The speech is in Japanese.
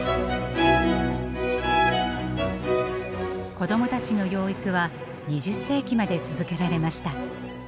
子どもたちの養育は２０世紀まで続けられました。